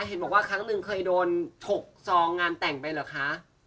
เห็นบอกว่าครั้งหนึ่งเคยโดนฉกซองงานแต่งไปเหรอคะ